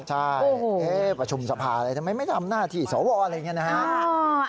ใช่ประชุมสภาอะไรทำไมไม่ทำหน้าที่สวอะไรอย่างนี้นะฮะ